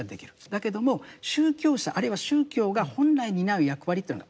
だけども宗教者あるいは宗教が本来担う役割というのがあるんだと。